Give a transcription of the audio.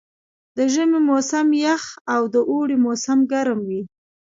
د ژمي موسم یخ او د اوړي موسم ګرم وي.